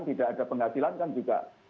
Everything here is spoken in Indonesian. tidak ada penghasilan kan juga